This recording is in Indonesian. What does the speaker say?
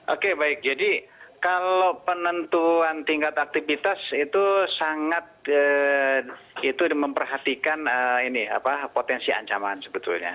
oke baik jadi kalau penentuan tingkat aktivitas itu sangat memperhatikan potensi ancaman sebetulnya